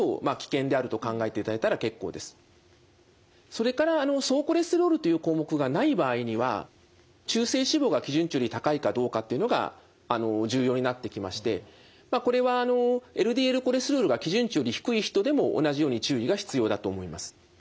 それから総コレステロールという項目がない場合には中性脂肪が基準値より高いかどうかっていうのが重要になってきましてこれはＬＤＬコレステロールが基準値より低い人でも同じように注意が必要だと思います。